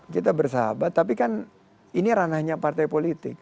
kita bersahabat tapi kan ini ranahnya partai politik